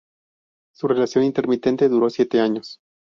Su relación, intermitente, duró siete años.